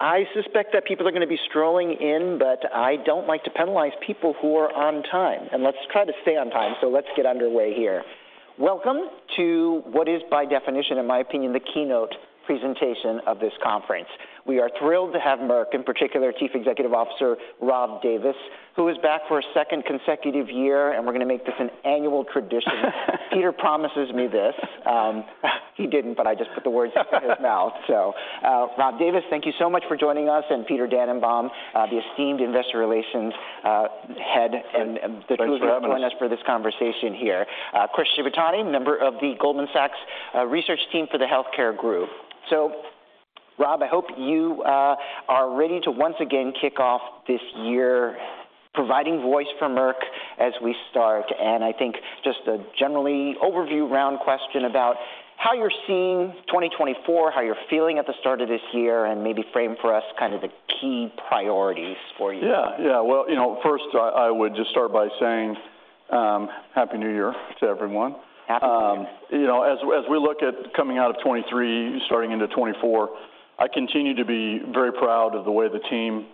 I suspect that people are going to be strolling in, but I don't like to penalize people who are on time, and let's try to stay on time, so let's get underway here. Welcome to what is, by definition, in my opinion, the keynote presentation of this conference. We are thrilled to have Merck, in particular, Chief Executive Officer Rob Davis, who is back for a second consecutive year, and we're gonna make this an annual tradition. Peter promises me this. He didn't, but I just put the words into his mouth. So, Rob Davis, thank you so much for joining us, and Peter Dannenbaum, the esteemed Investor Relations Head. Thanks for having us. The two of you join us for this conversation here. Chris Shibutani, member of the Goldman Sachs Research Team for the Healthcare Group. Rob, I hope you are ready to once again kick off this year, providing voice for Merck as we start. And I think just a generally overview round question about how you're seeing 2024, how you're feeling at the start of this year, and maybe frame for us kind of the key priorities for you. Yeah. Yeah. Well, you know, first, I would just start by saying, Happy New Year to everyone. Happy New Year. You know, as we look at coming out of 2023, starting into 2024, I continue to be very proud of the way the team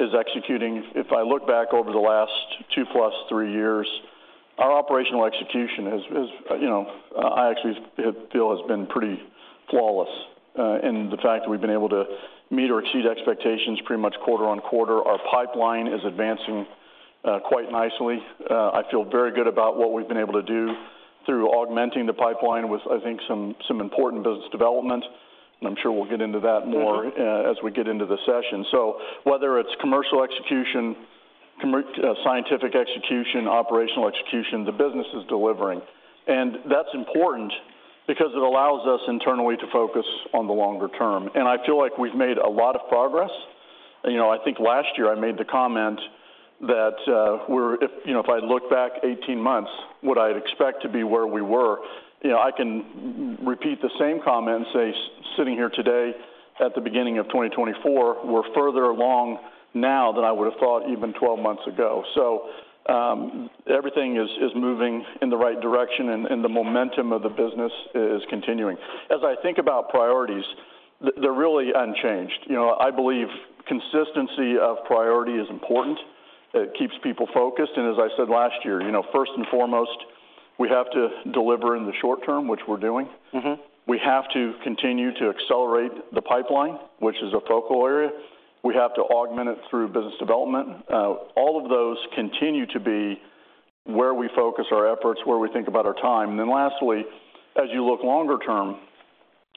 is executing. If I look back over the last two plus three years, our operational execution has. You know, I actually feel has been pretty flawless, in the fact that we've been able to meet or exceed expectations pretty much quarter on quarter. Our pipeline is advancing quite nicely. I feel very good about what we've been able to do through augmenting the pipeline with, I think, some important business development, and I'm sure we'll get into that more- As we get into the session. So whether it's commercial execution, scientific execution, operational execution, the business is delivering. And that's important because it allows us internally to focus on the longer term, and I feel like we've made a lot of progress. You know, I think last year I made the comment that if, you know, if I look back 18 months, would I expect to be where we were? You know, I can repeat the same comment and say, sitting here today, at the beginning of 2024, we're further along now than I would have thought even 12 months ago. So everything is moving in the right direction, and the momentum of the business is continuing. As I think about priorities, they're really unchanged. You know, I believe consistency of priority is important. It keeps people focused, and as I said last year, you know, first and foremost, we have to deliver in the short term, which we're doing. We have to continue to accelerate the pipeline, which is a focal area. We have to augment it through business development. All of those continue to be where we focus our efforts, where we think about our time. Then lastly, as you look longer term,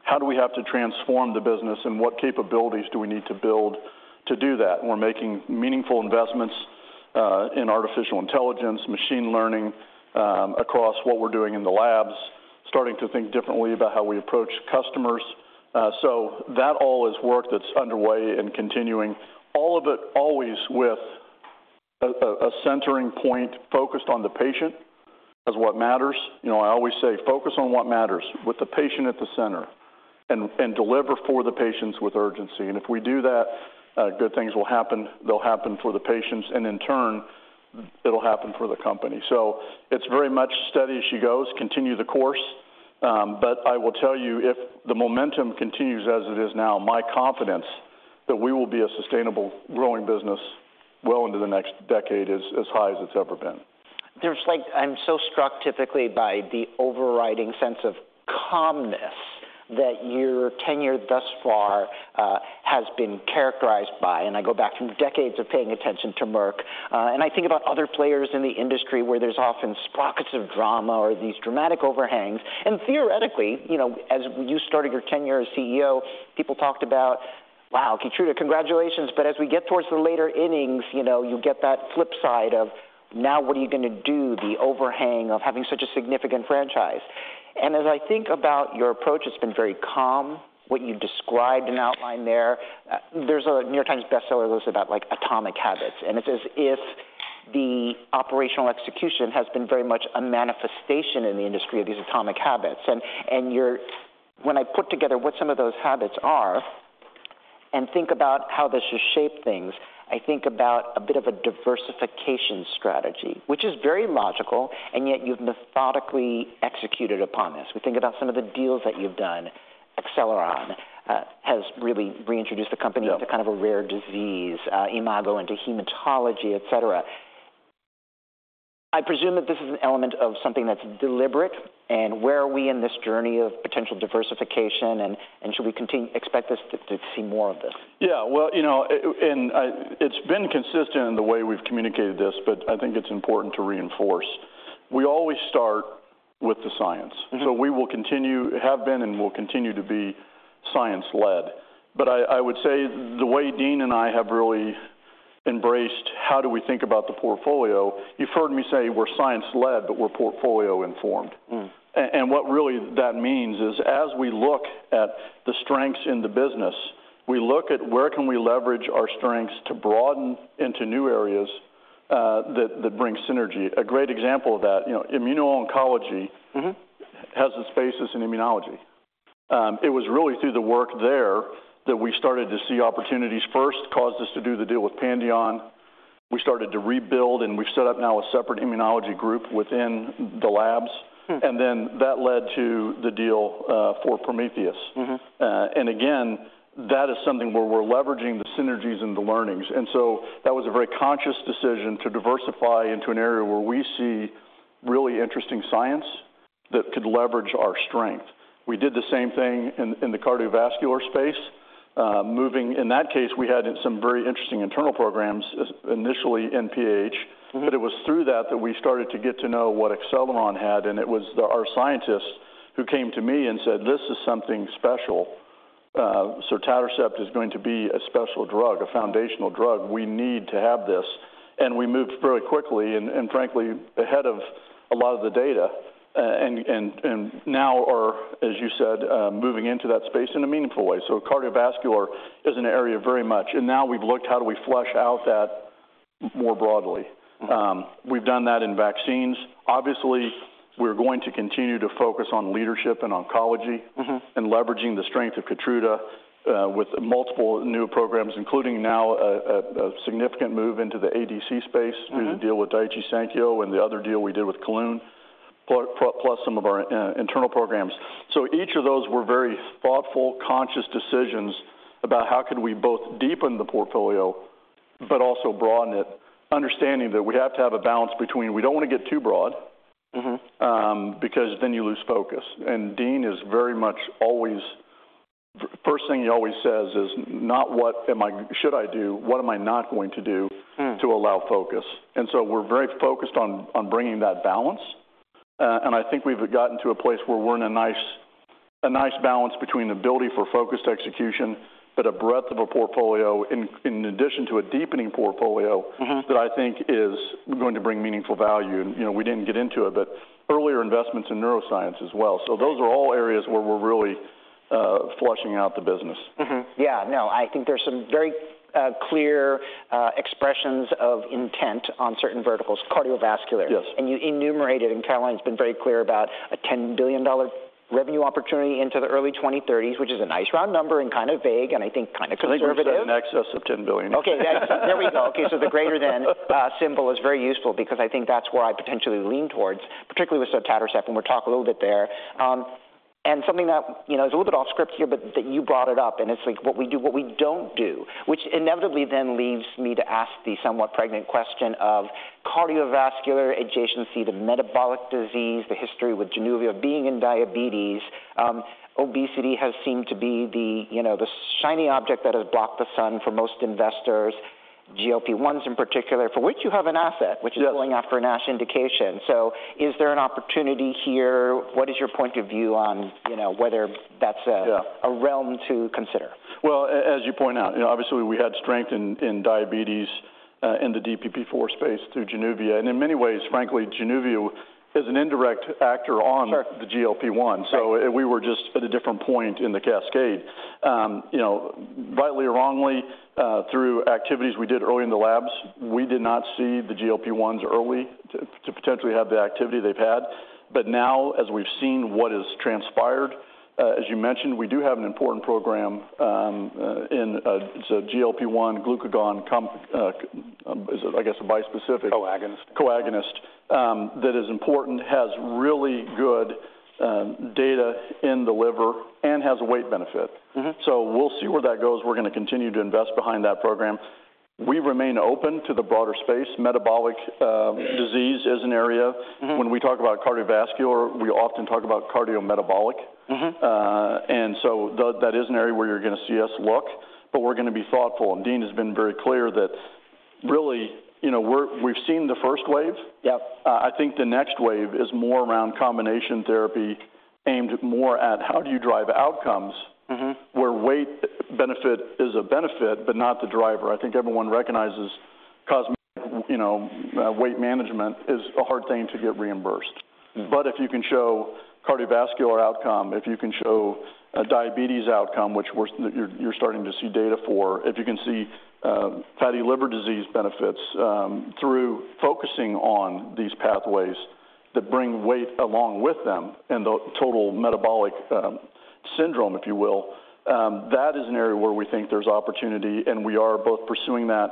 how do we have to transform the business, and what capabilities do we need to build to do that? We're making meaningful investments in artificial intelligence, machine learning, across what we're doing in the labs, starting to think differently about how we approach customers. So that all is work that's underway and continuing, all of it always with a centering point focused on the patient as what matters. You know, I always say, "Focus on what matters with the patient at the center and, and deliver for the patients with urgency." And if we do that, good things will happen. They'll happen for the patients, and in turn, it'll happen for the company. So it's very much steady as she goes, continue the course, but I will tell you, if the momentum continues as it is now, my confidence that we will be a sustainable, growing business well into the next decade is as high as it's ever been. There's like. I'm so struck, typically, by the overriding sense of calmness that your tenure thus far has been characterized by. And I go back from decades of paying attention to Merck, and I think about other players in the industry where there's often specters of drama or these dramatic overhangs. And theoretically, you know, as you started your tenure as CEO, people talked about, "Wow, Keytruda, congratulations." But as we get towards the later innings, you know, you get that flip side of, Now, what are you gonna do? The overhang of having such a significant franchise. And as I think about your approach, it's been very calm, what you've described and outlined there. There's a New York Times bestseller that was about, like, atomic habits, and it's as if the operational execution has been very much a manifestation in the industry of these atomic habits. When I put together what some of those habits are and think about how this has shaped things, I think about a bit of a diversification strategy, which is very logical, and yet you've methodically executed upon this. We think about some of the deals that you've done. Acceleron has really reintroduced the company. Yeah To kind of a rare disease, Imago into hematology, et cetera. I presume that this is an element of something that's deliberate, and where are we in this journey of potential diversification, and, and should we expect us to, to see more of this? Yeah, well, you know, it's been consistent in the way we've communicated this, but I think it's important to reinforce. We always start with the science. So we will continue - have been and will continue to be science-led. But I, I would say the way Dean and I have really embraced how do we think about the portfolio, you've heard me say we're science-led, but we're portfolio-informed. And what really that means is, as we look at the strengths in the business, we look at where can we leverage our strengths to broaden into new areas, that bring synergy? A great example of that, you know, immuno-oncology. Has its basis in immunology. It was really through the work there that we started to see opportunities first, caused us to do the deal with Pandion. We started to rebuild, and we've set up now a separate immunology group within the labs. And then that led to the deal for Prometheus. And again, that is something where we're leveraging the synergies and the learnings. So that was a very conscious decision to diversify into an area where we see really interesting science that could leverage our strength. We did the same thing in the cardiovascular space, moving. In that case, we had some very interesting internal programs, initially in PH. But it was through that we started to get to know what Acceleron had, and it was the, our scientists who came to me and said, "This is something special. So sotatercept is going to be a special drug, a foundational drug. We need to have this." And we moved very quickly and, frankly, ahead of a lot of the data, and now are, as you said, moving into that space in a meaningful way. So cardiovascular is an area very much, and now we've looked how do we flesh out that more broadly. We've done that in vaccines. Obviously, we're going to continue to focus on leadership and oncology- And leveraging the strength of KEYTRUDA, with multiple new programs, including now a significant move into the ADC space.. Through the deal with Daiichi Sankyo and the other deal we did with Kelun-Biotech, plus some of our internal programs. So each of those were very thoughtful, conscious decisions about how could we both deepen the portfolio but also broaden it, understanding that we have to have a balance between we don't want to get too broad- Because then you lose focus. And Dean is very much always first thing he always says is, "Not what should I do? What am I not going to do? To allow focus?" So we're very focused on bringing that balance. And I think we've gotten to a place where we're in a nice balance between ability for focused execution, but a breadth of a portfolio, in addition to a deepening portfolio- That I think is going to bring meaningful value. And, you know, we didn't get into it, but earlier investments in neuroscience as well. So those are all areas where we're really flushing out the business. Yeah, no, I think there's some very clear expressions of intent on certain verticals, cardiovascular. Yes. You enumerated, and Caroline's been very clear about a $10 billion revenue opportunity into the early 2030s, which is a nice round number and kind of vague, and I think kind of conservative. I think we said in excess of $10 billion. Okay, there we go. Okay, so the greater than symbol is very useful because I think that's where I potentially lean towards, particularly with sotatercept, and we'll talk a little bit there. And something that, you know, is a little bit off script here, but that you brought it up, and it's like what we do, what we don't do, which inevitably then leaves me to ask the somewhat pregnant question of cardiovascular adjacency to metabolic disease, the history with JANUVIA being in diabetes. Obesity has seemed to be the, you know, the shiny object that has blocked the sun for most investors, GLP-1s in particular, for which you have an asset- Yes. Which is going after a NASH indication. So is there an opportunity here? What is your point of view on, you know, whether that's a- Yeah A realm to consider? Well, as you point out, you know, obviously, we had strength in diabetes in the DPP-4 space through JANUVIA, and in many ways, frankly, JANUVIA is an indirect actor on- Sure The GLP-1. Right. So we were just at a different point in the cascade. You know, rightly or wrongly, through activities we did early in the labs, we did not see the GLP-1s early, too, potentially have the activity they've had. But now, as we've seen what has transpired, as you mentioned, we do have an important program in so GLP-1, glucagon, com, is, I guess, a bispecific. Coagonist. Coagonist that is important has really good data in the liver and has a weight benefit. So we'll see where that goes. We're gonna continue to invest behind that program. We remain open to the broader space. Metabolic disease is an are When we talk about cardiovascular, we often talk about cardiometabolic. And so that is an area where you're gonna see us look, but we're gonna be thoughtful. And Dean has been very clear that really, you know, we've seen the first wave. Yep. I think the next wave is more around combination therapy, aimed more at how do you drive outcomes- Where weight benefit is a benefit, but not the driver. I think everyone recognizes cosmetic, you know, weight management is a hard thing to get reimbursed. But if you can show cardiovascular outcome, if you can show a diabetes outcome, which you're starting to see data for, if you can see fatty liver disease benefits, through focusing on these pathways that bring weight along with them and the total metabolic syndrome, if you will, that is an area where we think there's opportunity, and we are both pursuing that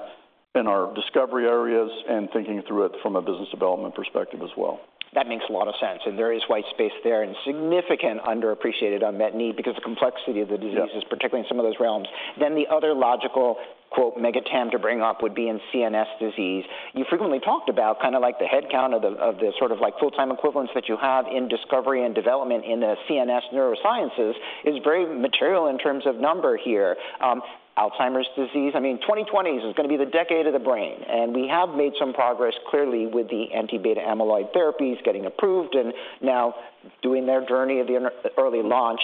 in our discovery areas and thinking through it from a business development perspective as well. That makes a lot of sense, and there is white space there and significant underappreciated unmet need because of the complexity of the diseases- Yeah Particularly in some of those realms. Then the other logical, quote, "mega theme" to bring up would be in CMS disease. You frequently talked about kind of like the headcount of the sort of like full-time equivalents that you have in discovery and development in the CMS neurosciences is very material in terms of number here. Alzheimer's disease, I mean, 2020s is gonna be the decade of the brain, and we have made some progress clearly with the anti-beta amyloid therapies getting approved and now doing their journey into early launch.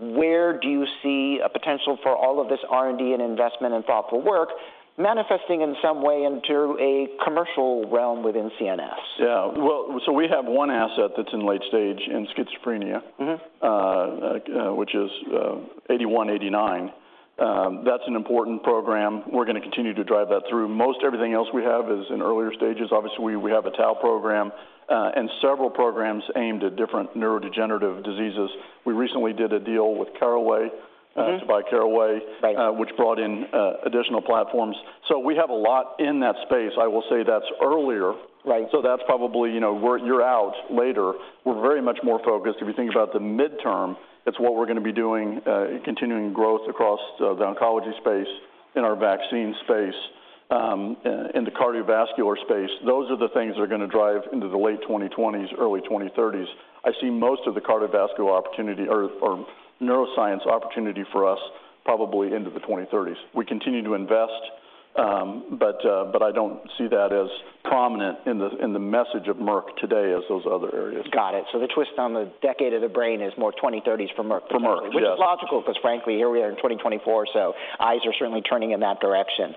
Where do you see a potential for all of this R&D and investment and thoughtful work manifesting in some way into a commercial realm within CMS? Yeah. Well, so we have one asset that's in late stage in schizophrenia- Which is MK-8189. That's an important program. We're gonna continue to drive that through. Most everything else we have is in earlier stages. Obviously, we have a tau program and several programs aimed at different neurodegenerative diseases. We recently did a deal with Caraway- By Caraway. Right. Which brought in additional platforms. So we have a lot in that space. I will say that's earlier. Right. So that's probably, you know, we're year out later. We're very much more focused. If you think about the midterm, it's what we're gonna be doing, in continuing growth across, the oncology space, in our vaccine space, in the cardiovascular space. Those are the things that are gonna drive into the late 2020s, early 2030s. I see most of the cardiovascular opportunity or, or neuroscience opportunity for us, probably into the 2030s. We continue to invest, but, but I don't see that as prominent in the, in the message of Merck today as those other areas. Got it. So the twist on the decade of the brain is more 2030s for Merck. For Merck, yes. Which is logical, 'cause frankly, here we are in 2024, so eyes are certainly turning in that direction.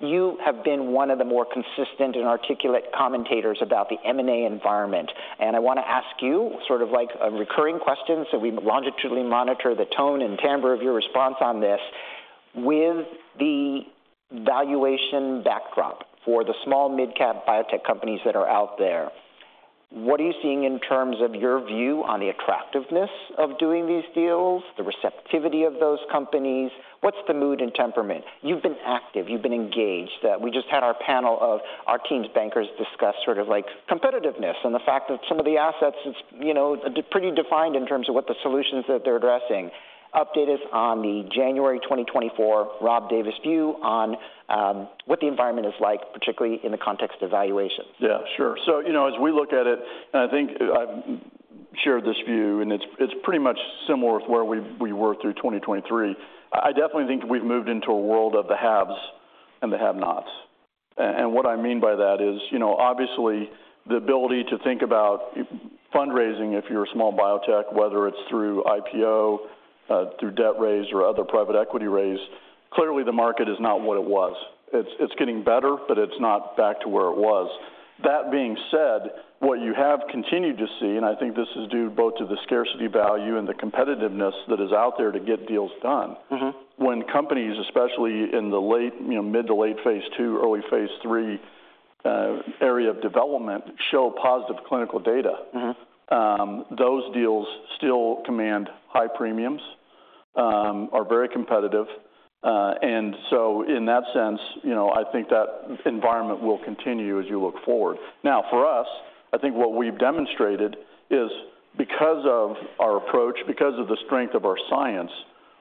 You have been one of the more consistent and articulate commentators about the M&A environment, and I wanna ask you sort of like a recurring question, so we longitudinally monitor the tone and timbre of your response on this. With the valuation backdrop for the small midcap biotech companies that are out there, what are you seeing in terms of your view on the attractiveness of doing these deals, the receptivity of those companies? What's the mood and temperament? You've been active, you've been engaged. We just had our panel of our team's bankers discuss sort of like competitiveness and the fact that some of the assets, it's, you know, pretty defined in terms of what the solutions that they're addressing. Update us on the January 2024 Rob Davis view on what the environment is like, particularly in the context of valuations. Yeah, sure. So, you know, as we look at it, and I think I've shared this view, and it's pretty much similar with where we were through 2023. I definitely think we've moved into a world of the haves and the have-nots. And what I mean by that is, you know, obviously, the ability to think about fundraising if you're a small biotech, whether it's through IPO, through debt raise or other private equity raise, clearly the market is not what it was. It's getting better, but it's not back to where it was. That being said, what you have continued to see, and I think this is due both to the scarcity value and the competitiveness that is out there to get deals done. When companies, especially in the late, you know, mid to late phase two, early phase three, area of development, show positive clinical data. Those deals still command high premiums, are very competitive. And so in that sense, you know, I think that environment will continue as you look forward. Now, for us, I think what we've demonstrated is because of our approach, because of the strength of our science,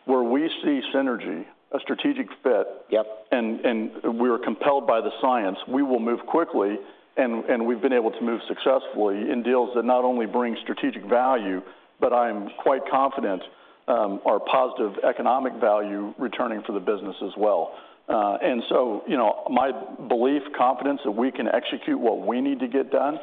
where we see synergy, a strategic fit. Yep And we are compelled by the science, we will move quickly, and we've been able to move successfully in deals that not only bring strategic value, but I'm quite confident are positive economic value returning for the business as well. And so, you know, my belief, confidence that we can execute what we need to get done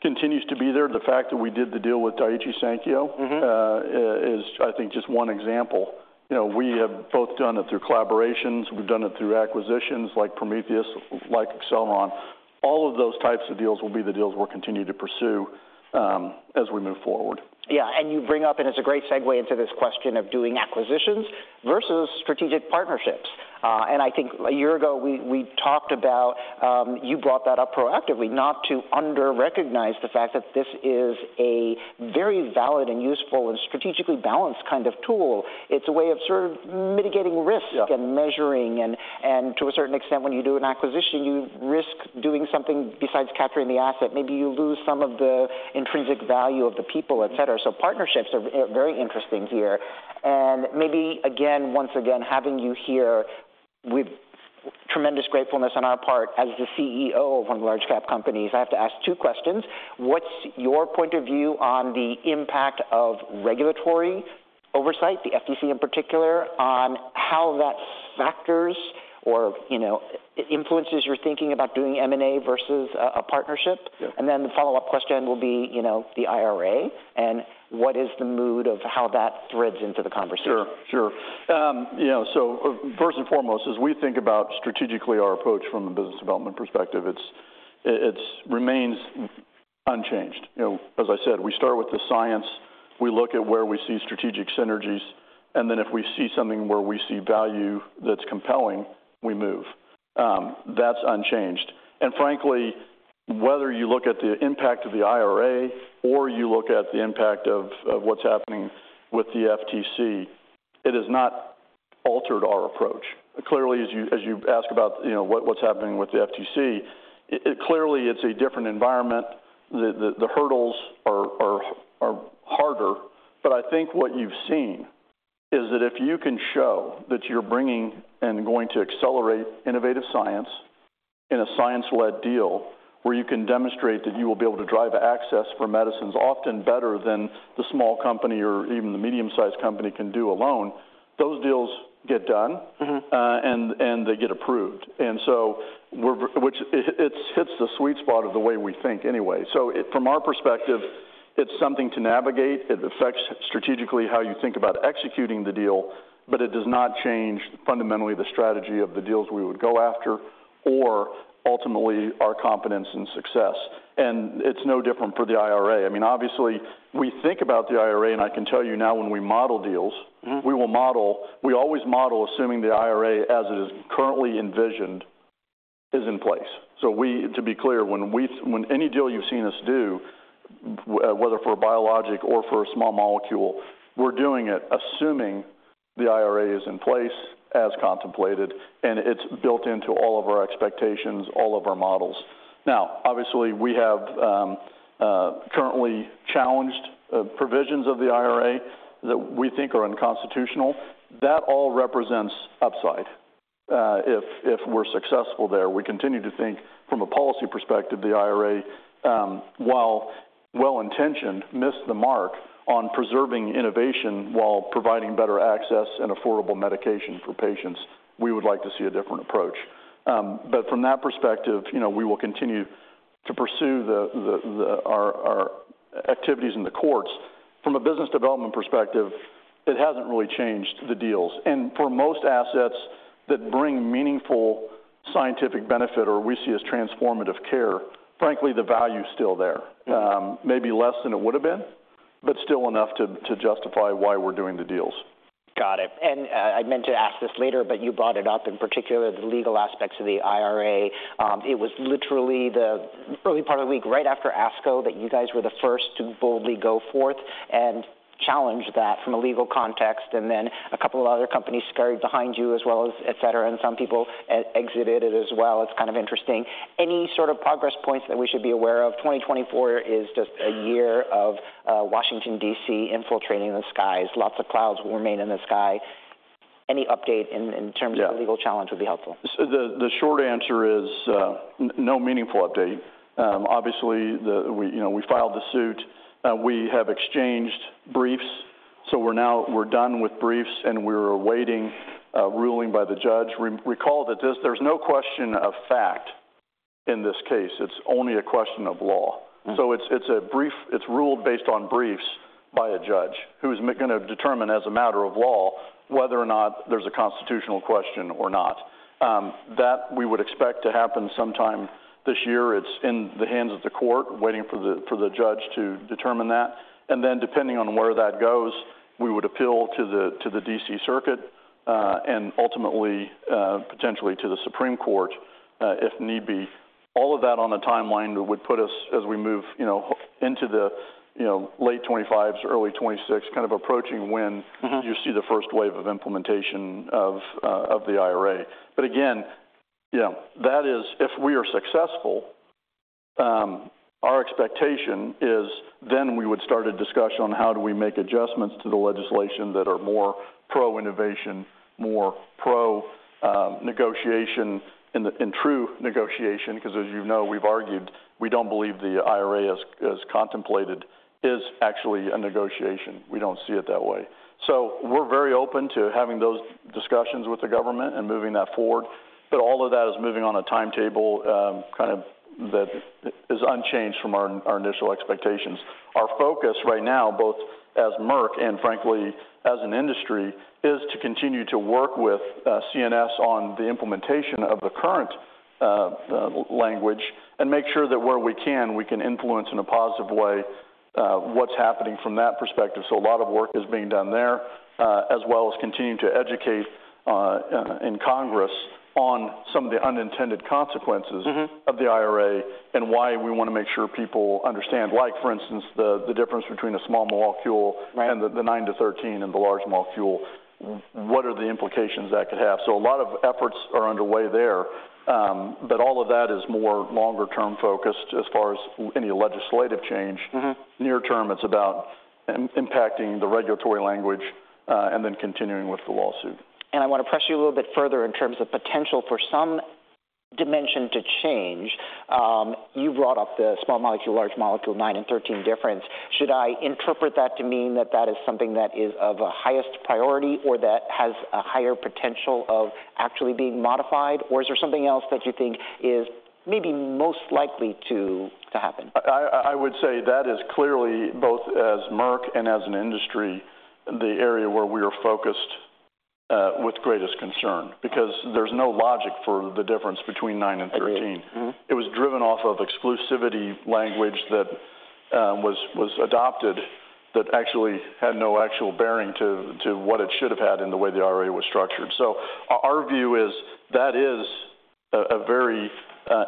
continues to be there. The fact that we did the deal with Daiichi Sankyo. Is, I think, just one example. You know, we have both done it through collaborations. We've done it through acquisitions like Prometheus, like Acceleron. All of those types of deals will be the deals we'll continue to pursue, as we move forward. Yeah, and you bring up, and it's a great segue into this question of doing acquisitions versus strategic partnerships. I think a year ago we talked about you brought that up proactively, not to underrecognize the fact that this is a very valid and useful and strategically balanced kind of tool. It's a way of sort of mitigating risk- Yeah and measuring and, and to a certain extent, when you do an acquisition, you risk doing something besides capturing the asset. Maybe you lose some of the intrinsic value of the people, et cetera. Partnerships are very interesting here. Maybe again, once again, having you here with tremendous gratefulness on our part as the CEO of one of the large cap companies, I have to ask two questions: What's your point of view on the impact of regulatory oversight, the FTC in particular, on how that factors or, you know, influences your thinking about doing M&A versus a partnership? Yeah. And then the follow-up question will be, you know, the IRA and what is the mood of how that threads into the conversation? Sure, sure. You know, so first and foremost, as we think about strategically our approach from a business development perspective, it remains unchanged. You know, as I said, we start with the science. We look at where we see strategic synergies, and then if we see something where we see value that's compelling, we move. That's unchanged. And frankly, whether you look at the impact of the IRA or you look at the impact of what's happening with the FTC, it has not altered our approach. Clearly, as you ask about, you know, what's happening with the FTC, it clearly is a different environment. The hurdles are harder, but I think what you've seen is that if you can show that you're bringing and going to accelerate innovative science in a science-led deal, where you can demonstrate that you will be able to drive access for medicines often better than the small company or even the medium-sized company can do alone, those deals get done. And they get approved. And so it hits the sweet spot of the way we think anyway. So from our perspective, it's something to navigate. It affects strategically how you think about executing the deal, but it does not change fundamentally the strategy of the deals we would go after or ultimately our confidence in success. And it's no different for the IRA. I mean, obviously, we think about the IRA, and I can tell you now when we model deals- We will model, we always model assuming the IRA, as it is currently envisioned, is in place. So, to be clear, when we,, when any deal you've seen us do, whether for a biologic or for a small molecule, we're doing it assuming the IRA is in place as contemplated, and it's built into all of our expectations, all of our models. Now, obviously, we have currently challenged provisions of the IRA that we think are unconstitutional. That all represents upside if we're successful there. We continue to think from a policy perspective, the IRA, while well-intentioned, missed the mark on preserving innovation while providing better access and affordable medication for patients. We would like to see a different approach. But from that perspective, you know, we will continue to pursue our activities in the courts. From a business development perspective, it hasn't really changed the deals. For most assets that bring meaningful scientific benefit or we see as transformative care, frankly, the value is still there. Maybe less than it would have been, but still enough to justify why we're doing the deals. Got it. And, I meant to ask this later, but you brought it up, in particular, the legal aspects of the IRA. It was literally the early part of the week, right after ASCO, that you guys were the first to boldly go forth and challenge that from a legal context, and then a couple of other companies scurried behind you as well as et cetera, and some people exited it as well. It's kind of interesting. Any sort of progress points that we should be aware of? 2024 is just a year of Washington, D.C., infiltrating the skies. Lots of clouds will remain in the sky. Any update in. Yeah Terms of the legal challenge would be helpful. The short answer is no meaningful update. Obviously, we, you know, we filed the suit. We have exchanged briefs, so we're done with briefs, and we're awaiting a ruling by the judge. Recall that there's no question of fact in this case. It's only a question of law. So it's a brief, it's ruled based on briefs by a judge, who is gonna determine, as a matter of law, whether or not there's a constitutional question or not. That we would expect to happen sometime this year. It's in the hands of the court, waiting for the judge to determine that. And then, depending on where that goes, we would appeal to the D.C. Circuit, and ultimately, potentially to the Supreme Court, if need be. All of that on the timeline would put us, as we move, you know, into the, you know, late 2025s, early 2026, kind of approaching when. You see the first wave of implementation of the IRA. But again, you know, that is if we are successful, our expectation is then we would start a discussion on how do we make adjustments to the legislation that are more pro-innovation, more pro, negotiation and true negotiation, because as you know, we've argued, we don't believe the IRA, as contemplated, is actually a negotiation. We don't see it that way. So we're very open to having those discussions with the government and moving that forward, but all of that is moving on a timetable, kind of that is unchanged from our initial expectations. Our focus right now, both as Merck and frankly, as an industry, is to continue to work with CMS on the implementation of the current language and make sure that where we can, we can influence in a positive way what's happening from that perspective. So a lot of work is being done there, as well as continuing to educate in Congress on some of the unintended consequences. Of the IRA and why we want to make sure people understand, like, for instance, the difference between a small molecule- Right And the 9-13 and the large molecule. What are the implications that could have? So a lot of efforts are underway there, but all of that is more longer-term focused as far as any legislative change. Near term, it's about impacting the regulatory language, and then continuing with the lawsuit. I want to press you a little bit further in terms of potential for some dimension to change. You brought up the small molecule, large molecule, 9 and 13 difference. Should I interpret that to mean that that is something that is of a highest priority or that has a higher potential of actually being modified, or is there something else that you think is maybe most likely to, to happen? I would say that is clearly, both as Merck and as an industry, the area where we are focused, with greatest concern, because there's no logic for the difference between 9 and 13. It was driven off of exclusivity language that was adopted, that actually had no actual bearing to what it should have had in the way the IRA was structured. So our view is that is a very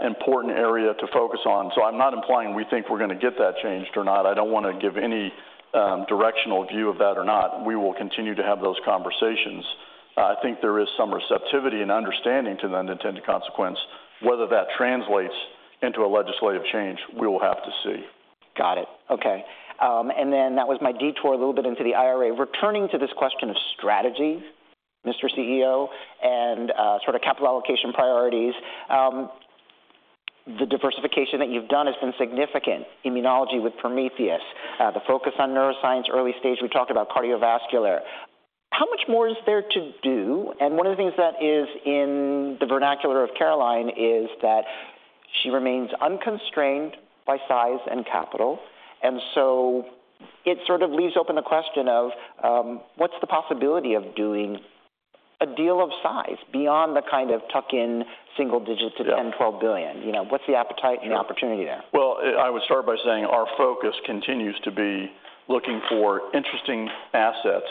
important area to focus on. So I'm not implying we think we're gonna get that changed or not. I don't want to give any directional view of that or not. We will continue to have those conversations. I think there is some receptivity and understanding to the unintended consequence. Whether that translates into a legislative change, we will have to see. Got it. Okay. And then that was my detour a little bit into the IRA. Returning to this question of strategy, Mr. CEO, and sort of capital allocation priorities, the diversification that you've done has been significant. Immunology with Prometheus, the focus on neuroscience, early stage, we talked about cardiovascular. How much more is there to do? And one of the things that is in the vernacular of Caroline is that she remains unconstrained by size and capital, and so it sort of leaves open the question of, what's the possibility of doing a deal of size beyond the kind of tuck in single digit. Yeah To $10-$12 billion? You know, what's the appetite and opportunity there? Well, I would start by saying our focus continues to be looking for interesting assets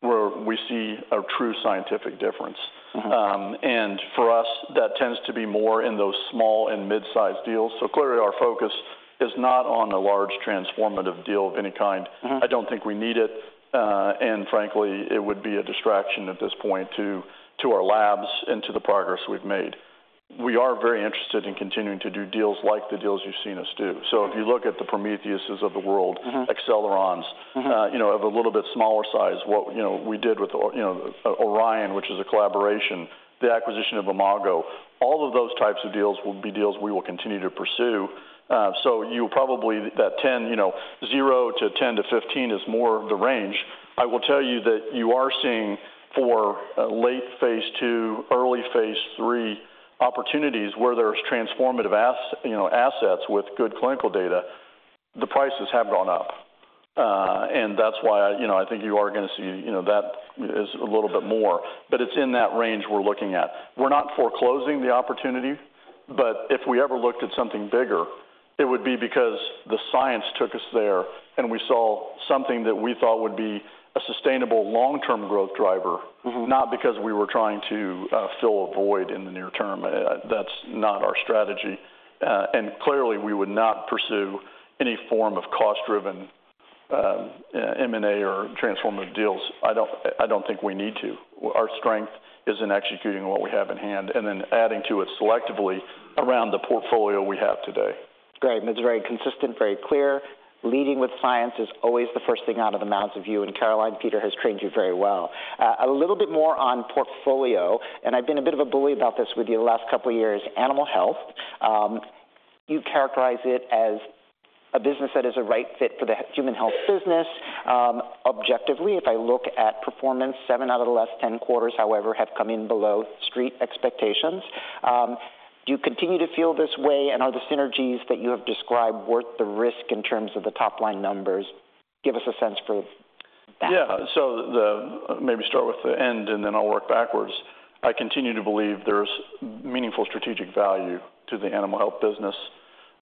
where we see a true scientific difference. And for us, that tends to be more in those small and mid-sized deals. So clearly, our focus is not on a large transformative deal of any kind. I don't think we need it, and frankly, it would be a distraction at this point to our labs and to the progress we've made. We are very interested in continuing to do deals like the deals you've seen us do. So if you look at the Prometheuses of the world. Accelerons. You know, of a little bit smaller size, what, you know, we did with, you know, Orion, which is a collaboration, the acquisition of Imago, all of those types of deals will be deals we will continue to pursue. So you probably, that $10, you know, $0 to $10 to $15 is more of the range. I will tell you that you are seeing for late phase 2, early Phase 3 opportunities where there's transformative, you know, assets with good clinical data, the prices have gone up. And that's why, you know, I think you are gonna see, you know, that as a little bit more, but it's in that range we're looking at. We're not foreclosing the opportunity, but if we ever looked at something bigger, it would be because the science took us there, and we saw something that we thought would be a sustainable long-term growth driver. Not because we were trying to fill a void in the near term. That's not our strategy. And clearly, we would not pursue any form of cost-driven M&A or transformative deals. I don't, I don't think we need to. Our strength is in executing what we have in hand and then adding to it selectively around the portfolio we have today. Great, and it's very consistent, very clear. Leading with science is always the first thing out of the mouths of you and Caroline. Peter has trained you very well. A little bit more on portfolio, and I've been a bit of a bully about this with you the last couple of years. Animal health, you characterize it as a business that is a right fit for the human health business. Objectively, if I look at performance, seven out of the last 10 quarters, however, have come in below street expectations. Do you continue to feel this way, and are the synergies that you have described worth the risk in terms of the top-line numbers? Give us a sense for that. Yeah. So maybe start with the end, and then I'll work backwards. I continue to believe there's meaningful strategic value to the animal health business,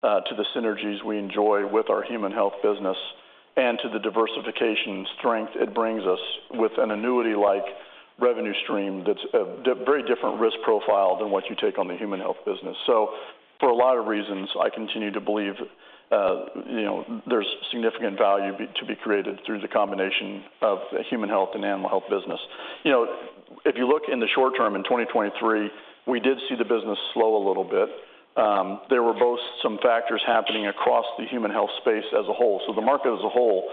to the synergies we enjoy with our human health business and to the diversification strength it brings us with an annuity-like revenue stream that's a very different risk profile than what you take on the human health business. So for a lot of reasons, I continue to believe, you know, there's significant value to be created through the combination of the human health and animal health business. You know, if you look in the short term, in 2023, we did see the business slow a little bit. There were both some factors happening across the human health space as a whole. So the market as a whole,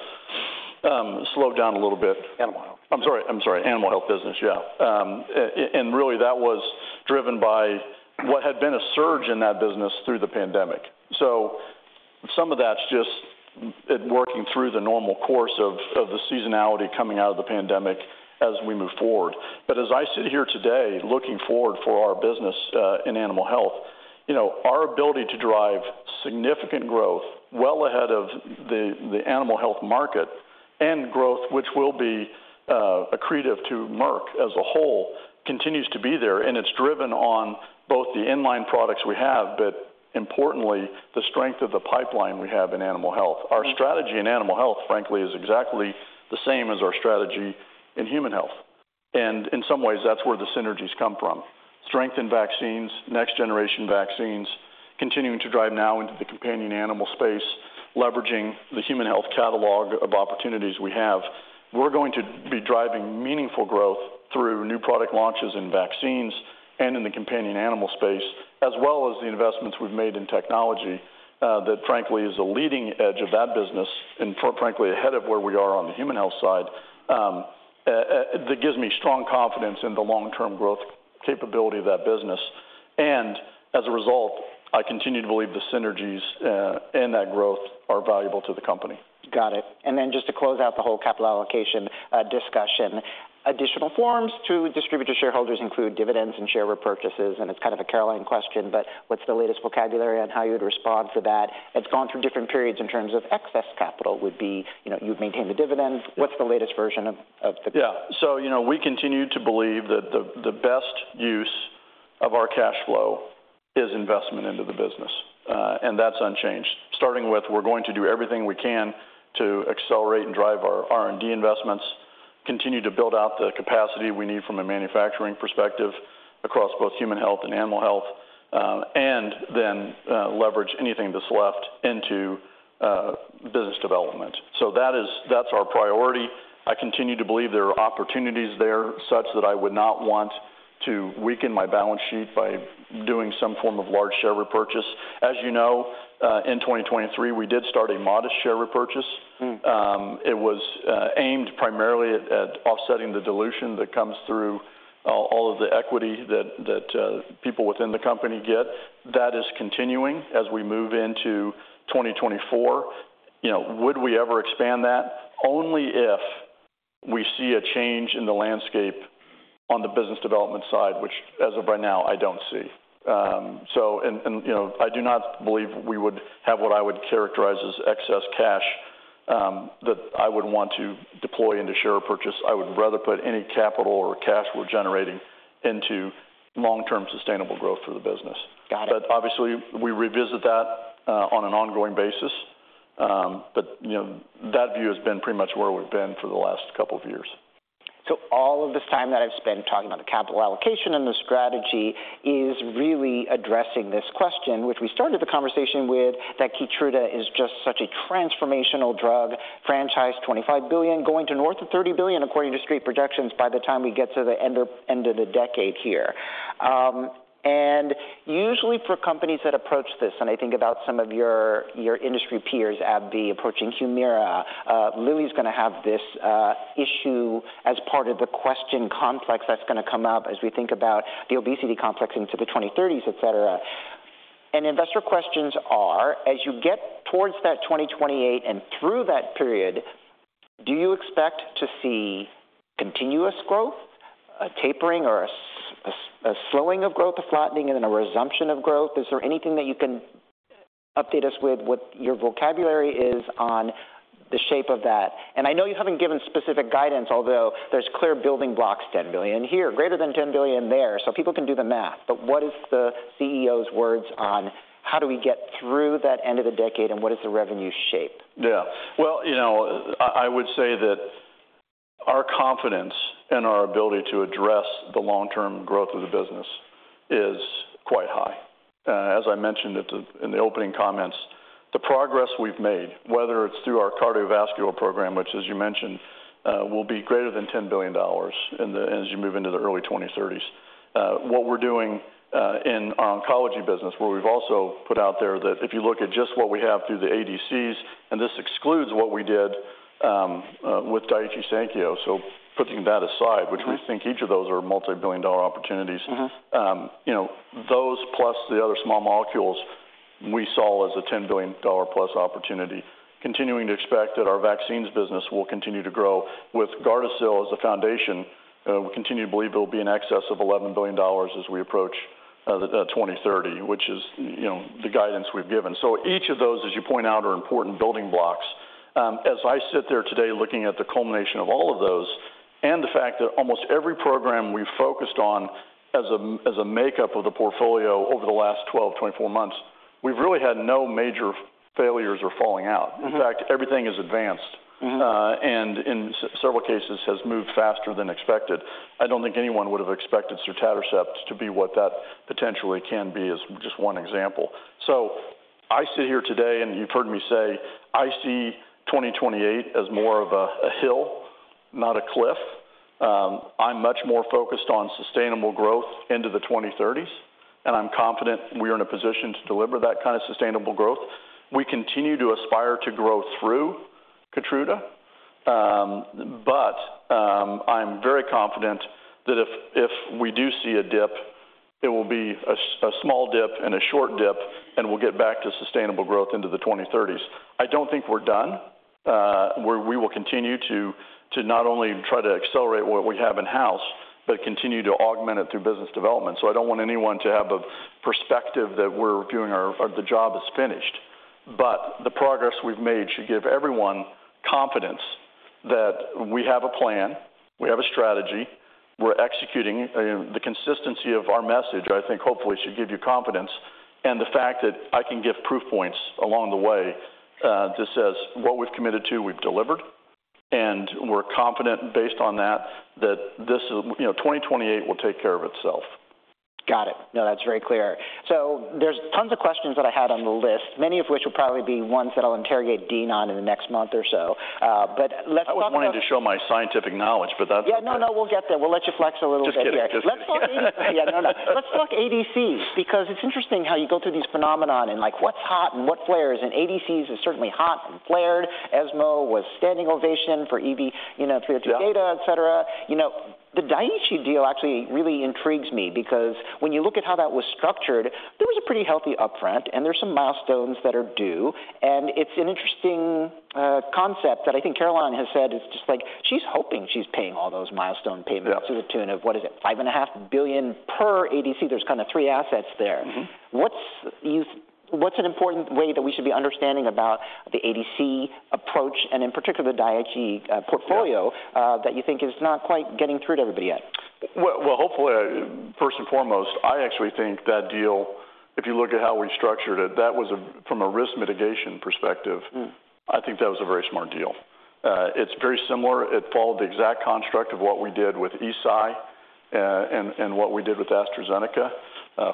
slowed down a little bit. Animal health. I'm sorry, I'm sorry. Animal health business, yeah. And really, that was driven by what had been a surge in that business through the pandemic. So some of that's just it working through the normal course of the seasonality coming out of the pandemic as we move forward. But as I sit here today, looking forward for our business in animal health, you know, our ability to drive significant growth well ahead of the animal health market and growth, which will be accretive to Merck as a whole, continues to be there, and it's driven on both the in-line products we have, but importantly, the strength of the pipeline we have in animal health. Our strategy in animal health, frankly, is exactly the same as our strategy in human health, and in some ways, that's where the synergies come from. Strength in vaccines, next-generation vaccines, continuing to drive now into the companion animal space, leveraging the human health catalog of opportunities we have. We're going to be driving meaningful growth through new product launches in vaccines and in the companion animal space, as well as the investments we've made in technology, that frankly, is a leading edge of that business and frankly, ahead of where we are on the human health side. That gives me strong confidence in the long-term growth capability of that business, and as a result, I continue to believe the synergies, and that growth are valuable to the company. Got it. Then just to close out the whole capital allocation discussion, additional forms to distribute to shareholders include dividends and share repurchases, and it's kind of a Caroline question, but what's the latest vocabulary on how you would respond to that? It's gone through different periods in terms of excess capital, would be, you know, you'd maintain the dividends. Yeah. What's the latest version of the- Yeah. So, you know, we continue to believe that the, the best use of our cash flow is investment into the business, and that's unchanged. Starting with, we're going to do everything we can to accelerate and drive our R&D investments, continue to build out the capacity we need from a manufacturing perspective across both human health and animal health, and then, leverage anything that's left into, business development. So that is, that's our priority. I continue to believe there are opportunities there such that I would not want to weaken my balance sheet by doing some form of large share repurchase. As you know, in 2023, we did start a modest share repurchase. It was aimed primarily at offsetting the dilution that comes through all of the equity that people within the company get. That is continuing as we move into 2024. You know, would we ever expand that? Only if we see a change in the landscape on the business development side, which as of right now, I don't see. And, you know, I do not believe we would have what I would characterize as excess cash that I would want to deploy into share purchase. I would rather put any capital or cash we're generating into long-term sustainable growth for the business. Got it. But obviously, we revisit that on an ongoing basis, but, you know, that view has been pretty much where we've been for the last couple of years. So all of this time that I've spent talking about the capital allocation and the strategy is really addressing this question, which we started the conversation with, that KEYTRUDA is just such a transformational drug, franchise, $25 billion, going to north of $30 billion, according to Street projections, by the time we get to the end of the decade here. And usually for companies that approach this, and I think about some of your industry peers, AbbVie, approaching Humira, Lilly's gonna have this issue as part of the question complex that's gonna come up as we think about the obesity complex into the 2030s, et cetera. Investor questions are: As you get towards that 2028 and through that period, do you expect to see continuous growth, a tapering or a slowing of growth, a flattening and then a resumption of growth? Is there anything that you can update us with what your vocabulary is on the shape of that? And I know you haven't given specific guidance, although there's clear building blocks, $10 billion here, greater than $10 billion there, so people can do the math. But what is the CEO's words on how do we get through that end of the decade, and what is the revenue shape? Yeah. Well, you know, I would say that our confidence and our ability to address the long-term growth of the business is quite high. As I mentioned in the opening comments, the progress we've made, whether it's through our cardiovascular program, which, as you mentioned, will be greater than $10 billion as you move into the early 2030s. What we're doing in our oncology business, where we've also put out there that if you look at just what we have through the ADCs, and this excludes what we did with Daiichi Sankyo. So putting that aside- which we think each of those are multibillion-dollar opportunities. You know, those plus the other small molecules we saw as a $10 billion+ opportunity, continuing to expect that our vaccines business will continue to grow. With Gardasil as a foundation, we continue to believe there will be in excess of $11 billion as we approach 2030, which is, you know, the guidance we've given. So each of those, as you point out, are important building blocks. As I sit there today, looking at the culmination of all of those and the fact that almost every program we've focused on as a makeup of the portfolio over the last 12, 24 months, we've really had no major failures or falling out. In fact, everything is advanced. And in several cases has moved faster than expected. I don't think anyone would have expected sotatercept to be what that potentially can be, as just one example. So I sit here today, and you've heard me say, I see 2028 as more of a hill, not a cliff. I'm much more focused on sustainable growth into the 2030s, and I'm confident we are in a position to deliver that kind of sustainable growth. We continue to aspire to grow through KEYTRUDA, but, I'm very confident that if, if we do see a dip, it will be a small dip and a short dip, and we'll get back to sustainable growth into the 2030s. I don't think we're done. We will continue to not only try to accelerate what we have in-house, but continue to augment it through business development. So I don't want anyone to have a perspective that we're doing or the job is finished. But the progress we've made should give everyone confidence that we have a plan, we have a strategy, we're executing. You know, the consistency of our message, I think, hopefully, should give you confidence. And the fact that I can give proof points along the way, that says what we've committed to, we've delivered, and we're confident based on that, that this, you know, 2028 will take care of itself. Got it. No, that's very clear. So there's tons of questions that I had on the list, many of which will probably be ones that I'll interrogate Dean on in the next month or so, but let's talk about- I was wanting to show my scientific knowledge, but that's okay. Yeah, no, no, we'll get there. We'll let you flex a little bit. Just kidding. Let's talk. Yeah, no, no. Let's talk ADCs, because it's interesting how you go through these phenomenon and, like, what's hot and what flares? And ADCs is certainly hot and flared. ESMO was standing ovation for EV, you know- Yeah 302o data, et cetera. You know, the Daiichi deal actually really intrigues me because when you look at how that was structured, there was a pretty healthy upfront, and there's some milestones that are due. And it's an interesting concept that I think Caroline has said. It's just like she's hoping she's paying all those milestone payments- Yeah to the tune of, what is it? $5.5 billion per ADC. There's kind of three assets there. What's an important way that we should be understanding about the ADC approach and in particular, the Daiichi portfolio. Yeah Tthat you think is not quite getting through to everybody yet? Well, well, hopefully, first and foremost, I actually think that deal, if you look at how we structured it, that was a, from a risk mitigation perspective- I think that was a very smart deal. It's very similar. It followed the exact construct of what we did with Eisai, and what we did with AstraZeneca,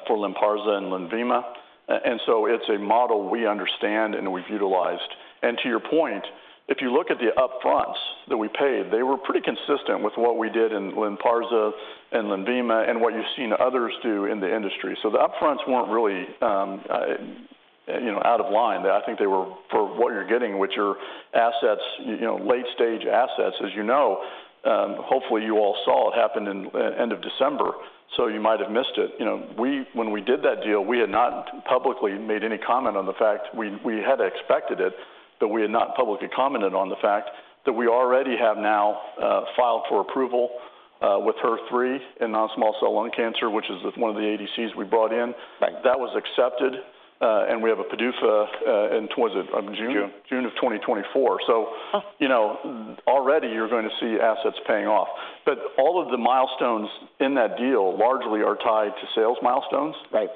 for LYNPARZA and LENVIMA. And so it's a model we understand and we've utilized. And to your point, if you look at the upfronts that we paid, they were pretty consistent with what we did in LYNPARZA and LENVIMA and what you've seen others do in the industry. So the upfronts weren't really, you know, out of line. I think they were for what you're getting, which are assets, you know, late-stage assets, as you know. Hopefully, you all saw it happened in end of December, so you might have missed it. You know, we, when we did that deal, we had not publicly made any comment on the fact. We had expected it, but we had not publicly commented on the fact that we already have now filed for approval with HER3 in non-small cell lung cancer, which is one of the ADCs we brought in. Right. That was accepted, and we have a PDUFA in, what was it? June. June of 2024. Oh! You know, already you're going to see assets paying off but all of the milestones in that deal largely are tied to sales milestones. Right.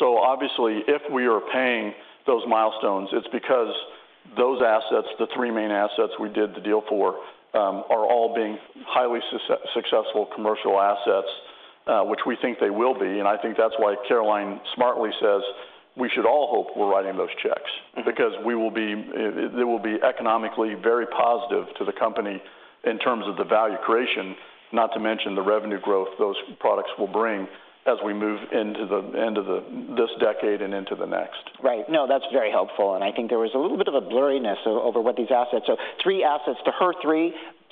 So obviously, if we are paying those milestones, it's because those assets, the three main assets we did the deal for, are all being highly successful commercial assets, which we think they will be. And I think that's why Caroline smartly says, we should all hope we're writing those checks. Because we will be, it will be economically very positive to the company in terms of the value creation, not to mention the revenue growth those products will bring as we move into the end of this decade and into the next. Right. No, that's very helpful, and I think there was a little bit of a blurriness over what these assets are. Three assets to HER3,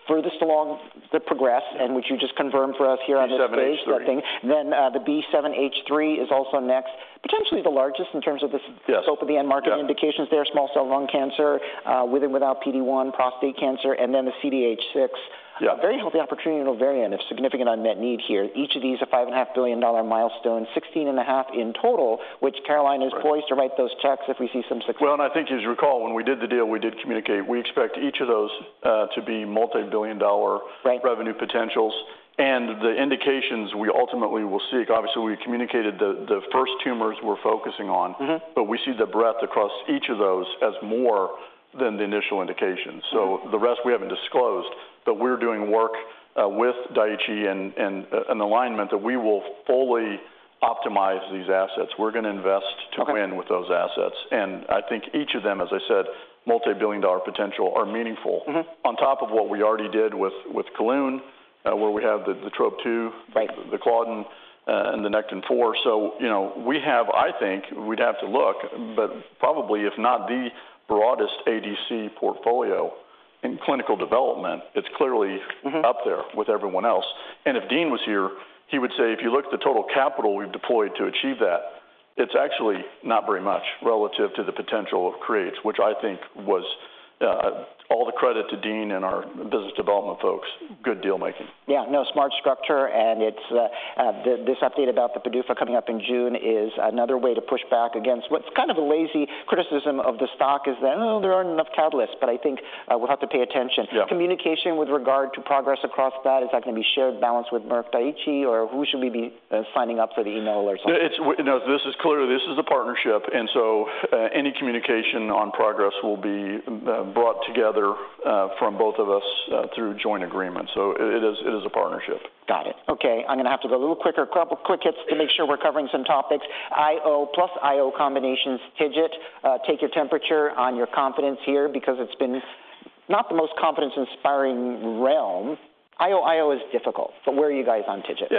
furthest along the progress, and which you just confirmed for us here on this stage. B7H3. Then, the B7-H3 is also next, potentially the largest in terms of the- Yes. Scope of the end market indications there, small cell lung cancer, with or without PD-1, prostate cancer, and then the CDH6. Yeah. Very healthy opportunity in ovarian of significant unmet need here. Each of these are $5.5 billion milestone, $16.5 billion in total, which Caroline is poised to write those checks if we see some success. Well, and I think as you recall, when we did the deal, we did communicate. We expect each of those to be multibillion-dollar- Right Revenue potentials, and the indications we ultimately will seek. Obviously, we communicated the first tumors we're focusing on. But we see the breadth across each of those as more than the initial indications. So the rest we haven't disclosed, but we're doing work with Daiichi and an alignment that we will fully optimize these assets. We're going to invest- Okay To win with those assets. And I think each of them, as I said, multibillion-dollar potential, are meaningful. On top of what we already did with Kelun, where we have the TROP2- Right The Claudin, and the Nectin-4. So, you know, we have, I think, we'd have to look, but probably, if not the broadest ADC portfolio in clinical development, it's clearly- Up there with everyone else. And if Dean was here, he would say, "If you look at the total capital we've deployed to achieve that, it's actually not very much relative to the potential it creates," which I think was, all the credit to Dean and our business development folks. Good deal making. Yeah, no, smart structure, and it's this update about the PDUFA coming up in June is another way to push back against what's kind of a lazy criticism of the stock is that, oh, there aren't enough catalysts, but I think we'll have to pay attention. Yeah. Communication with regard to progress across that, is that going to be shared balance with Merck Daiichi, or who should we be signing up for the email or something? No, this is clearly, this is a partnership, and so any communication on progress will be brought together from both of us through joint agreement. So it, it is, it is a partnership. Got it. Okay, I'm going to have to go a little quicker, couple quick hits to make sure we're covering some topics. IO plus IO combinations TIGIT, take your temperature on your confidence here because it's been not the most confidence-inspiring realm. IO/IO is difficult, but where are you guys on TIGIT?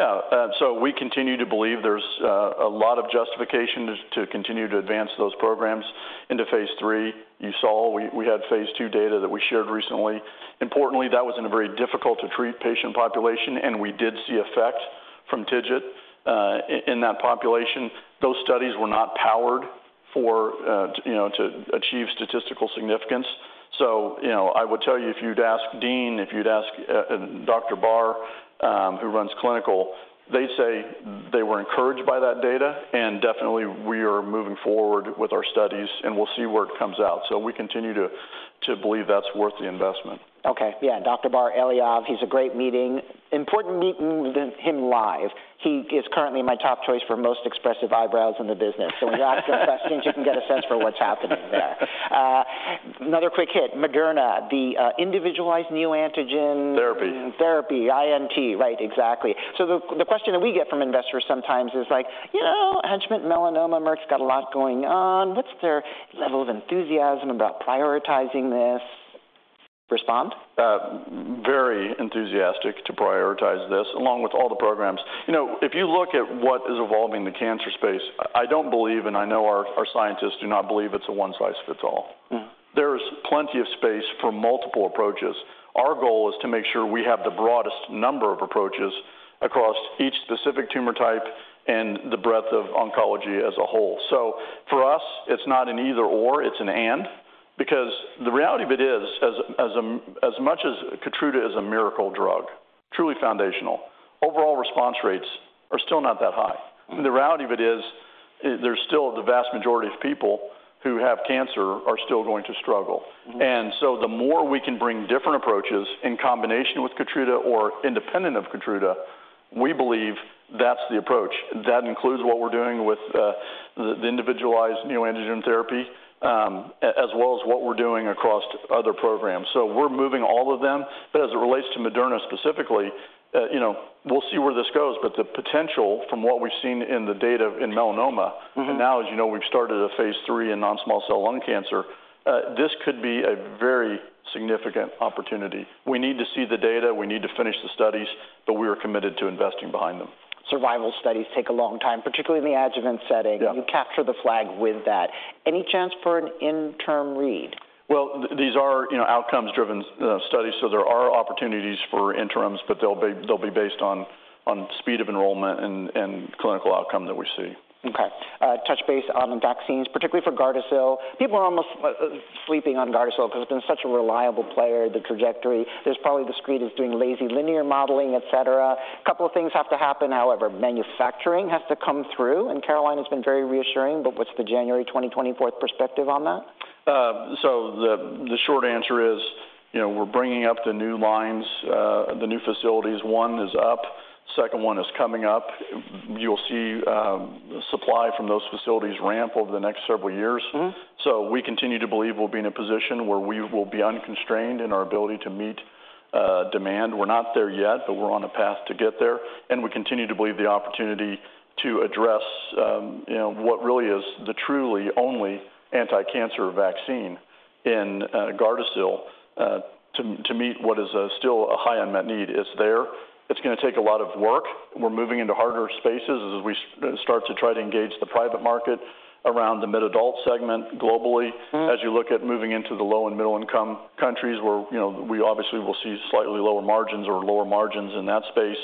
So we continue to believe there's a lot of justification to continue to advance those programs into Phase III. You saw we had phase II data that we shared recently. Importantly, that was in a very difficult to treat patient population, and we did see effect from TIGIT in that population. Those studies were not powered to, you know, achieve statistical significance. So you know, I would tell you, if you'd ask Dean, if you'd ask Dr. Barr, who runs clinical, they'd say they were encouraged by that data, and definitely we are moving forward with our studies, and we'll see where it comes out. So we continue to believe that's worth the investment. Okay. Yeah, Dr. Eliav Barr, he's a great meeting, important meeting him live. He is currently my top choice for most expressive eyebrows in the business. So when you're asking questions, you can get a sense for what's happening there. Another quick hit, Moderna, the Individualized Neoantigen. Therapy. Therapy, INT, right, exactly. So the question that we get from investors sometimes is like, "You know, in advanced melanoma, Merck's got a lot going on. What's their level of enthusiasm about prioritizing this?" Respond? Very enthusiastic to prioritize this, along with all the programs. You know, if you look at what is evolving in the cancer space, I don't believe, and I know our scientists do not believe it's a one size fits all. There is plenty of space for multiple approaches. Our goal is to make sure we have the broadest number of approaches across each specific tumor type and the breadth of oncology as a whole. So for us, it's not an either/or, it's an and, because the reality of it is, as much as KEYTRUDA is a miracle drug, truly foundational, overall response rates are still not that high. The reality of it is, there's still the vast majority of people who have cancer are still going to struggle. And so the more we can bring different approaches in combination with KEYTRUDA or independent of KEYTRUDA, we believe that's the approach. That includes what we're doing with the individualized neoantigen therapy, as well as what we're doing across other programs. So we're moving all of them. But as it relates to Moderna specifically, you know, we'll see where this goes, but the potential from what we've seen in the data in melanoma. And now, as you know, we've started a Phase III in non-small cell lung cancer, this could be a very significant opportunity. We need to see the data, we need to finish the studies, but we are committed to investing behind them. Survival studies take a long time, particularly in the adjuvant setting. Yeah. You capture the flag with that. Any chance for an interim read? Well, these are, you know, outcomes-driven studies, so there are opportunities for interims, but they'll be based on speed of enrollment and clinical outcome that we see. Okay. Touch base on vaccines, particularly for Gardasil. People are almost sleeping on Gardasil because it's been such a reliable player, the trajectory. There's probably the screen is doing lazy linear modeling, et cetera. Couple of things have to happen, however. Manufacturing has to come through, and Caroline has been very reassuring, but what's the January 2024 perspective on that? So the short answer is. You know, we're bringing up the new lines, the new facilities. One is up, second one is coming up. You'll see, supply from those facilities ramp over the next several years. So we continue to believe we'll be in a position where we will be unconstrained in our ability to meet demand. We're not there yet, but we're on a path to get there, and we continue to believe the opportunity to address, you know, what really is the truly only anti-cancer vaccine in Gardasil to meet what is still a high unmet need is there. It's gonna take a lot of work. We're moving into harder spaces as we start to try to engage the private market around the mid-adult segment globally. As you look at moving into the low and middle-income countries, where, you know, we obviously will see slightly lower margins or lower margins in that space,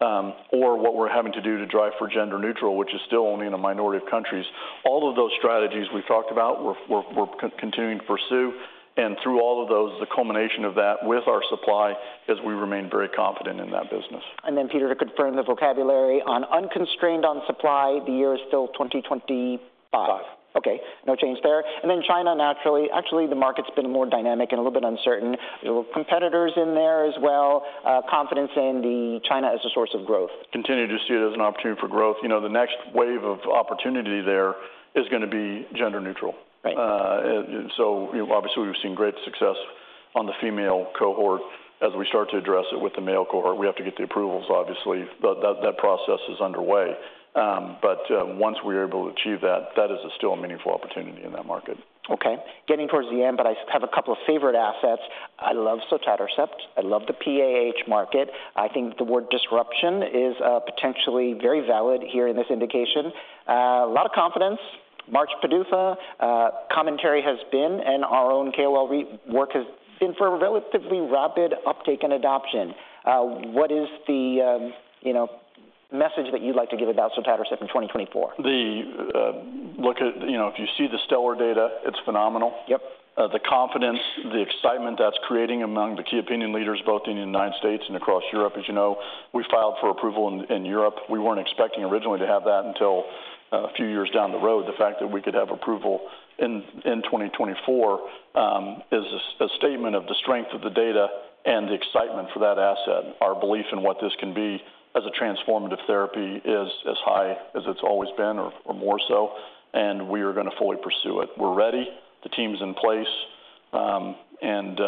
or what we're having to do to drive for gender-neutral, which is still only in a minority of countries. All of those strategies we've talked about, we're continuing to pursue, and through all of those, the culmination of that with our supply, is we remain very confident in that business. And then, Peter, to confirm the vocabulary, on unconstrained on supply, the year is still 2025? Five. Okay, no change there. And then China, naturally, actually, the market's been more dynamic and a little bit uncertain. There were competitors in there as well. Confidence in China as a source of growth. Continue to see it as an opportunity for growth. You know, the next wave of opportunity there is gonna be gender neutral. Right. And so obviously, we've seen great success on the female cohort. As we start to address it with the male cohort, we have to get the approvals, obviously, but that, that process is underway. But once we're able to achieve that, that is still a meaningful opportunity in that market. Okay. Getting towards the end, but I have a couple of favorite assets. I love sotatercept. I love the PAH market. I think the word disruption is, potentially very valid here in this indication. A lot of confidence. March PDUFA commentary has been, and our own KOL work has been for a relatively rapid uptake and adoption. What is the, you know, message that you'd like to give about sotatercept in 2024? You know, if you see the stellar data, it's phenomenal. Yep. The confidence, the excitement that's creating among the key opinion leaders, both in the United States and across Europe. As you know, we filed for approval in Europe. We weren't expecting originally to have that until a few years down the road. The fact that we could have approval in 2024 is a statement of the strength of the data and the excitement for that asset. Our belief in what this can be as a transformative therapy is as high as it's always been or more so, and we are gonna fully pursue it. We're ready. The team's in place. And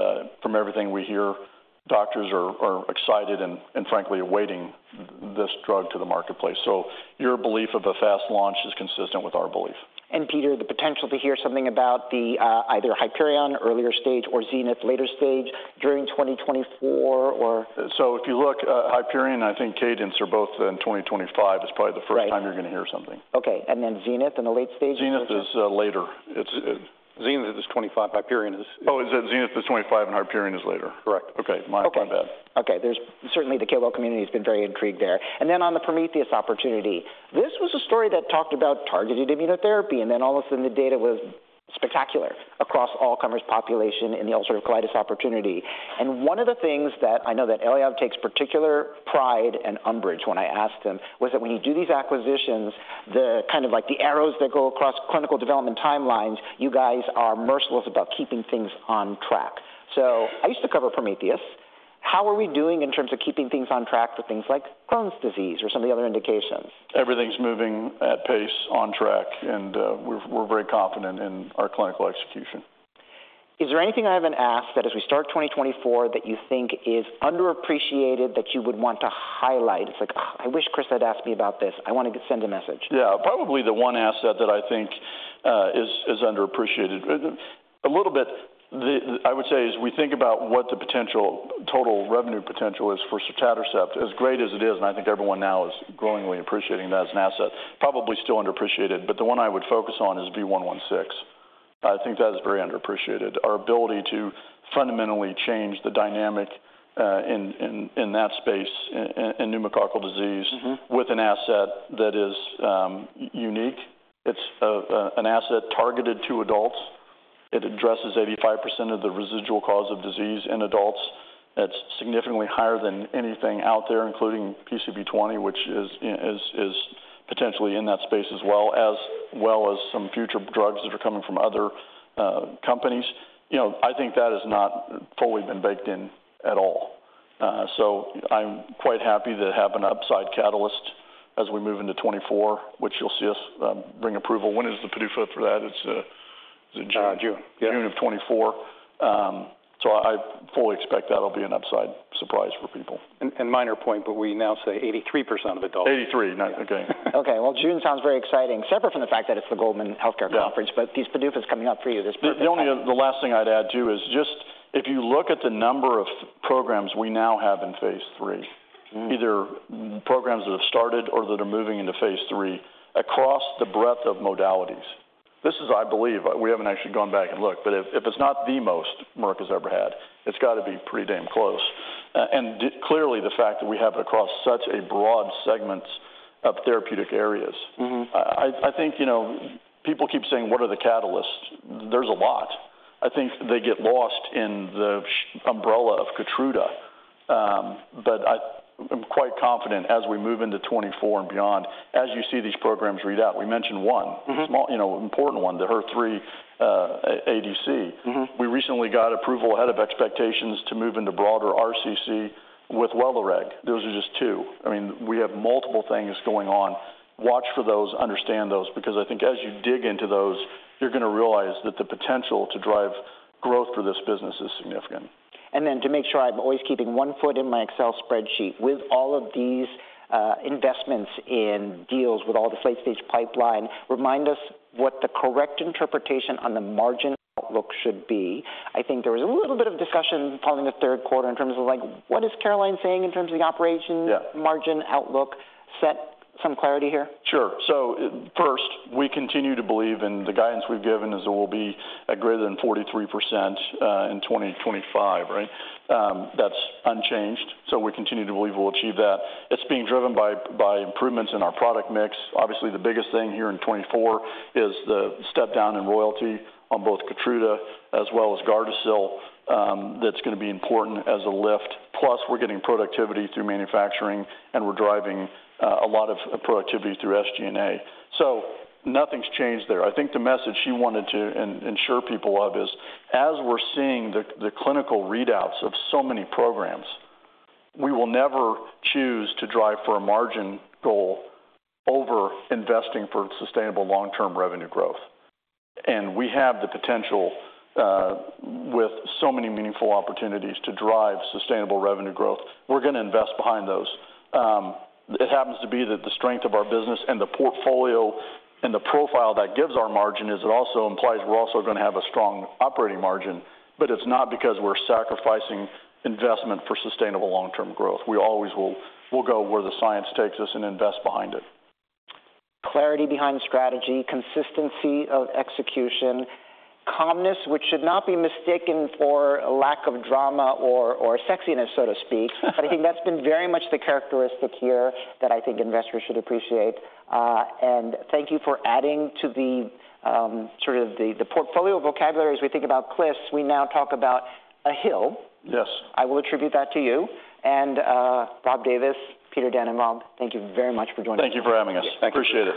from everything we hear, doctors are excited and frankly, awaiting this drug to the marketplace. So your belief of a fast launch is consistent with our belief. Peter, the potential to hear something about the either Hyperion, earlier stage, or Zenith, later stage, during 2024, or? If you look at Hyperion, I think Zenith are both in 2025. Right. It's probably the first time you're gonna hear something. Okay, and then Zenith in the late stage? Zenith is later. It's. Zenith is 25. Hyperion is. Oh, is it? Zenith is 25, and Hyperion is later. Correct. Okay. My. Okay. My bad. Okay, there's certainly the KOL community has been very intrigued there. And then on the Prometheus opportunity, this was a story that talked about targeted immunotherapy, and then all of a sudden, the data was spectacular across all comers population in the ulcerative colitis opportunity. And one of the things that I know that Eliav takes particular pride and umbrage when I ask them, was that when you do these acquisitions, the kind of like the arrows that go across clinical development timelines, you guys are merciless about keeping things on track. So I used to cover Prometheus. How are we doing in terms of keeping things on track for things like Crohn's disease or some of the other indications? Everything's moving at pace, on track, and we're very confident in our clinical execution. Is there anything I haven't asked that as we start 2024, that you think is underappreciated, that you would want to highlight? It's like, "Oh, I wish Chris had asked me about this. I wanted to send a message. Yeah. Probably the one asset that I think is underappreciated. A little bit, I would say, as we think about what the potential, total revenue potential is for sotatercept, as great as it is, and I think everyone now is growingly appreciating that as an asset, probably still underappreciated, but the one I would focus on is V116. I think that is very underappreciated. Our ability to fundamentally change the dynamic in that space, in pneumococcal disease. With an asset that is unique. It's an asset targeted to adults. It addresses 85% of the residual cause of disease in adults. That's significantly higher than anything out there, including PCV20, which is potentially in that space as well as some future drugs that are coming from other companies. You know, I think that has not fully been baked in at all. So I'm quite happy to have an upside catalyst as we move into 2024, which you'll see us bring approval. When is the PDUFA for that? It's June. June. June of 2024. So I fully expect that'll be an upside surprise for people. Minor point, but we now say 83% of adults. 83, now, okay. Okay, well, June sounds very exciting, separate from the fact that it's the Goldman Sachs Healthcare Conference- Yeah But these PDUFA is coming up for you. This- The only, the last thing I'd add, too, is just if you look at the number of programs we now have in Phase 3. Either programs that have started or that are moving into Phase 3 across the breadth of modalities. This is, I believe, we haven't actually gone back and looked, but if, if it's not the most Merck has ever had, it's got to be pretty damn close. And clearly, the fact that we have it across such a broad segment of therapeutic areas- I, I think, you know, people keep saying, "What are the catalysts?" There's a lot. I think they get lost in the shadow of Keytruda. But I, I'm quite confident as we move into 2024 and beyond, as you see these programs read out, we mentioned one. small, you know, important one, the HER3 ADC. We recently got approval ahead of expectations to move into broader RCC with Welireg. Those are just two. I mean, we have multiple things going on. Watch for those, understand those, because I think as you dig into those, you're gonna realize that the potential to drive growth for this business is significant. And then to make sure I'm always keeping one foot in my Excel spreadsheet, with all of these, investments in deals, with all the late-stage pipeline, remind us what the correct interpretation on the margin outlook should be. I think there was a little bit of discussion following the third quarter in terms of like, what is Caroline saying in terms of the operations- Yeah. Margin outlook. Set some clarity here? Sure. So first, we continue to believe, and the guidance we've given is that we'll be at greater than 43%, in 2025, right? That's unchanged, so we continue to believe we'll achieve that. It's being driven by, by improvements in our product mix. Obviously, the biggest thing here in 2024 is the step down in royalty on both KEYTRUDA as well as GARDASIL. That's gonna be important as a lift. Plus, we're getting productivity through manufacturing, and we're driving a lot of productivity through SG&A. So nothing's changed there. I think the message she wanted to ensure people of is, as we're seeing the, the clinical readouts of so many programs, we will never choose to drive for a margin goal over investing for sustainable long-term revenue growth. And we have the potential, with so many meaningful opportunities to drive sustainable revenue growth. We're gonna invest behind those. It happens to be that the strength of our business and the portfolio and the profile that gives our margin is it also implies we're also gonna have a strong operating margin, but it's not because we're sacrificing investment for sustainable long-term growth. We always will. We'll go where the science takes us and invest behind it. Clarity behind strategy, consistency of execution, calmness, which should not be mistaken for a lack of drama or sexiness, so to speak. But I think that's been very much the characteristic here that I think investors should appreciate. And thank you for adding to the sort of the portfolio vocabulary. As we think about cliffs, we now talk about a hill. Yes. I will attribute that to you. Rob Davis, Peter Dannenbaum, Rob, thank you very much for joining us. Thank you for having us. Yeah. Appreciate it.